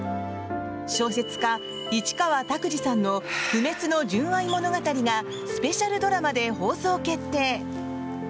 小説家・市川拓司さんの不滅の純愛物語がスペシャルドラマで放送決定！